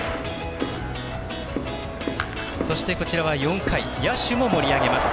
そして、４回野手も盛り上げます。